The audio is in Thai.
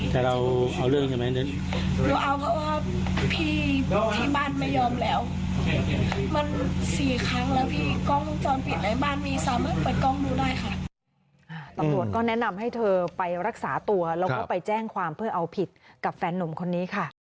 ตำรวจก็แนะนำให้เธอไปรักษาตัวแล้วก็ไปแจ้งความเพื่อเอาผิดกับแฟนนุ่มคนนี้ค่ะ